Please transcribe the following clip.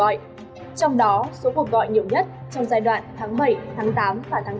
trong đó số cuộc gọi nhiều nhất trong giai đoạn tháng bảy tháng tám và tháng tám